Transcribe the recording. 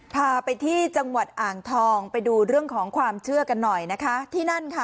พาไปที่จังหวัดอ่างทองไปดูเรื่องของความเชื่อกันหน่อยนะคะที่นั่นค่ะ